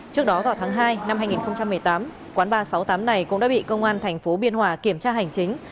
trước đó vào tháng hai năm hai nghìn một mươi tám quán ba trăm sáu mươi tám này cũng đã bị công an thành phố biên hòa kiểm tra hành chính